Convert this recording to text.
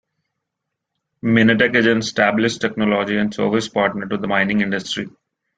Minetec is an established technology and service partner to the mining industry.